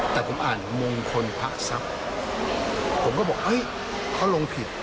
แต่ผมอ่านมงคลพระทรัพย์ผมก็บอกเฮ้ยเขาลงผิด